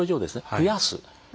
増やす。